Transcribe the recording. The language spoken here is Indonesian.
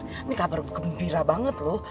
ini kabar gembira banget loh